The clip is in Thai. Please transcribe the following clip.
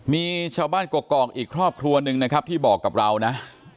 มีชาวบ้านกกอกอีกครอบครัวหนึ่งนะครับที่บอกกับเรานะ